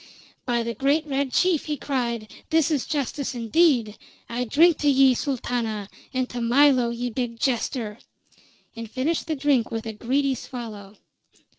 "By the great Red Chief!" he cried. "This is justice indeed! I drink to ye, Sultana, and to Milo, ye big jester!" and finished the drink with a greedy swallow.